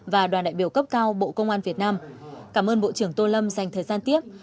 và đoàn đại biểu cấp cao bộ công an việt nam cảm ơn bộ trưởng tô lâm dành thời gian tiếp